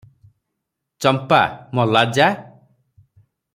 ଚମ୍ପା - ମଲା ଯା!